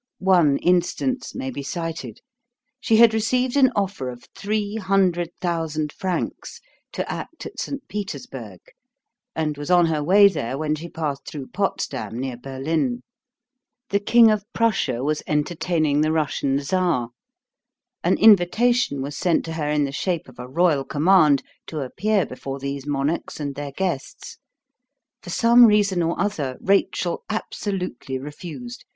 One instance may be cited. She had received an offer of three hundred thousand francs to act at St. Petersburg, and was on her way there when she passed through Potsdam, near Berlin. The King of Prussia was entertaining the Russian Czar. An invitation was sent to her in the shape of a royal command to appear before these monarchs and their guests. For some reason or other Rachel absolutely refused.